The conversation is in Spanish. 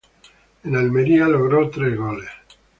En Almería logró tres goles.